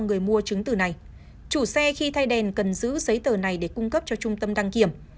người mua chứng từ này chủ xe khi thay đèn cần giữ giấy tờ này để cung cấp cho trung tâm đăng kiểm